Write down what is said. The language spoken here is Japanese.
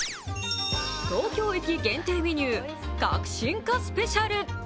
東京駅限定メニュー革新家スペシャル。